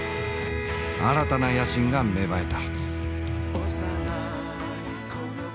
新たな野心が芽生えた。